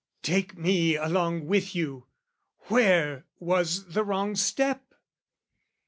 Take me along with you; where was the wrong step?